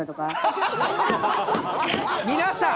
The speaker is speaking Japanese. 皆さん！